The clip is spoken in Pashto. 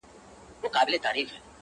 دغه پاڼ به مي په یاد وي له دې دمه،